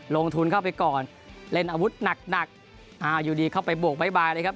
ลงทุนเข้าไปก่อนเล่นอาวุธหนักหนักอยู่ดีเข้าไปบวกบ๊ายเลยครับ